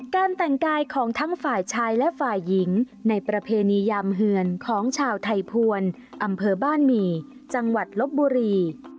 การแต่งกายของทั้งฝ่ายชายและฝ่ายหญิงในประเพณียามเหือนของชาวไทยภวรอำเภอบ้านหมี่จังหวัดลบบุรี